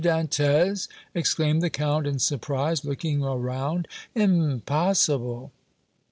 Dantès!" exclaimed the Count, in surprise, looking around. "Impossible!"